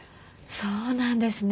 そうなんですね。